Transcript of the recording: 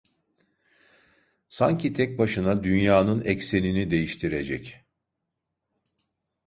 Sanki tek başına dünyanın eksenini değiştirecek…